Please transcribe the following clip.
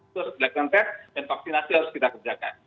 terus dilakukan test dan vaksinasi harus kita kerjakan